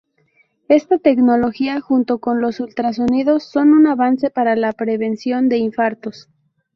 Esta tecnología junto con los ultrasonidos son un avance para la prevención de infartos.